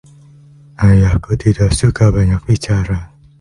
Ayahku tidak suka banyak bicara.